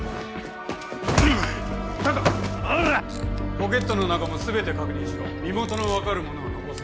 ポケットの中も全て確認しろ身元の分かる物は残すな。